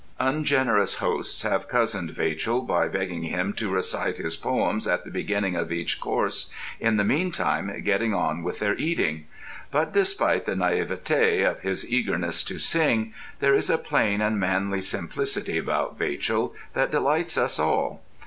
Ungenerous hosts have cozened Vachel by begging him to recite his poems at the beginning of each course, in the meantime getting on with their eating; but despite the naïveté of his eagerness to sing, there is a plain and manly simplicity about Vachel that delights us all.